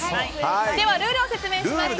ルールを説明します。